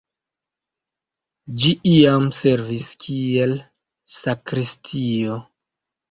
Ĝi iam servis kiel sakristio.